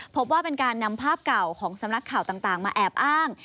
พบว่าเป็นการนำภาพเก่าของสำนักข่าวต่างมาแอบอ้าง